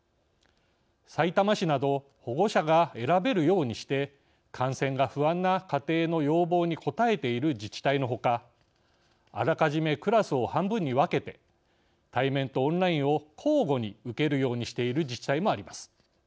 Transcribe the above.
さいたま市など保護者が選べるようにして感染が不安な家庭の要望に応えている自治体のほかあらかじめクラスを半分に分けて対面とオンラインを交互に受けるようにしている自治体もあります。